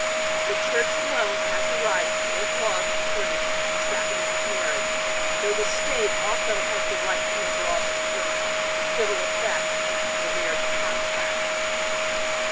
The Church alone has the right to make laws concerning the Sacrament of marriage, though the state also has the right to make laws concerning the civil effects of the marriage contract.